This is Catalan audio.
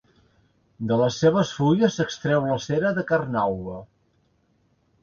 De les seves fulles s'extreu la cera de carnauba.